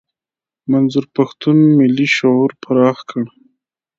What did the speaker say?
منظور پښتون ملي شعور پراخ کړ.